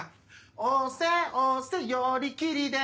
押せ押せ寄り切りで